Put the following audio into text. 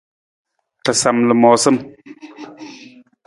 Rasam lamoosam.